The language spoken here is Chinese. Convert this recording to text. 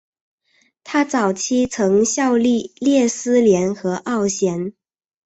他早期曾效力列斯联和奥咸。